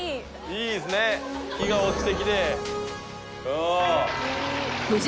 「いいですね日が落ちてきて」